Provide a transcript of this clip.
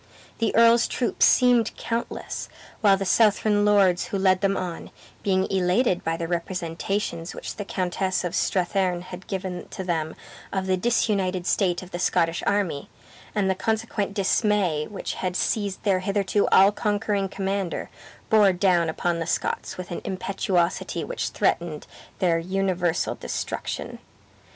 The earl's troops seemed countless, while the Southron lords who led them on, being elated by the representations which the Countess of Strathearn had given to them of the disunited state of the Scottish army, and the consequent dismay which had seized their hitherto all conquering commander, bore down upon the Scots with an impetuosity which threatened their universal destruction.